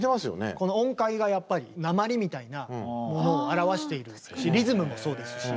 この音階がやっぱり「なまり」みたいなものを表しているしリズムもそうですし。